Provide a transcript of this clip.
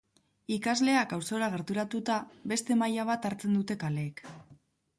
Ikasleak auzora gerturatuta beste maila bat hartzen dute kaleek.